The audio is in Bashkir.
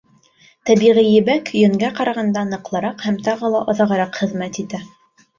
Тәбиғи ебәк йөнгә ҡарағанда ныҡлыраҡ һәм тағы ла оҙағыраҡ хеҙмәт итә.